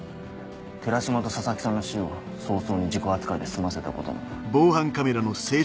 寺島と佐々木さんの死を早々に事故扱いで済ませたことも。